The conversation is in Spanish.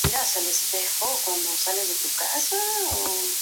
Finalmente, Sheldon traiciona a sus amigos y vende la espada que en Ebay.